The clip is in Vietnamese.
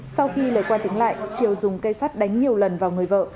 sau khi lời qua tiếng lại triều dùng cây sắt đánh nhiều lần vào người vợ